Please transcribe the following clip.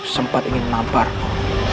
sempat ingin namparku